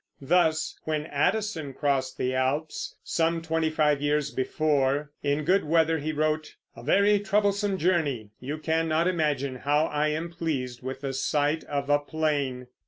Thus, when Addison crossed the Alps, some twenty five years before, in good weather, he wrote: "A very troublesome journey.... You cannot imagine how I am pleased with the sight of a plain."